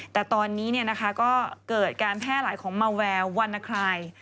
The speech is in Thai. แต่ตอนนี้เนี่ยนะคะก็เกิดการแพร่หลายของมาวแวร์วันนะครัย